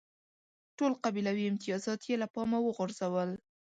ټول قبیلوي امتیازات یې له پامه وغورځول.